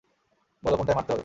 বলো, কোনটায় মারতে হবে।